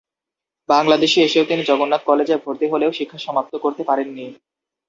বাংলাদেশে এসে তিনি জগন্নাথ কলেজে ভর্তি হলেও শিক্ষা সমাপ্ত করতে পারেন নি।